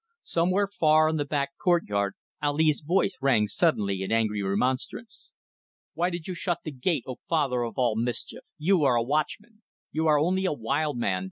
Somewhere far in the back courtyard Ali's voice rang suddenly in angry remonstrance "Why did you shut the gate, O father of all mischief? You a watchman! You are only a wild man.